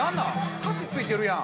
歌詞ついてるやん。